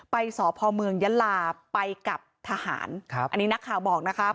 สพเมืองยะลาไปกับทหารครับอันนี้นักข่าวบอกนะคะ